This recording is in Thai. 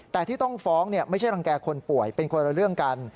แต่ที่ต้องฟ้องไม่ใช่รังแก่คนป่วยเป็นคนละเรื่องกัน